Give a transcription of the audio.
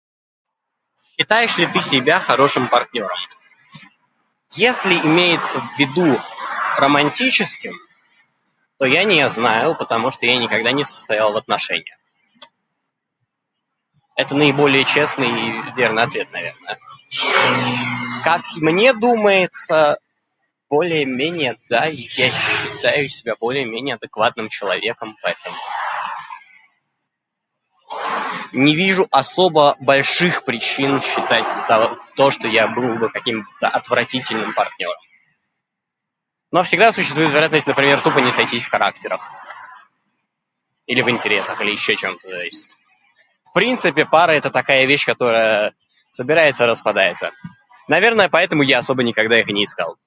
Считаешь ли ты себя хорошим партнёром? Если имеется в виду романтическим, то я не знаю, потому что я никогда не состоял в отношениях. Это наиболее честный и верный ответ, наверное. Как мне думается, более-менее да. Я считаю себя более-менее адекватным человеком, поэтому не вижу особо больших причин считать тог- то, что я буду каким-то отвратительным партнёром. Но всегда существует вероятность, например, тупо не сойтись в характерах. Или в интересах, или ещё чём-то то есть. В принципе пара это такая вещь, которая собирается и распадается. Наверное, поэтому я особо никогда их и не искал.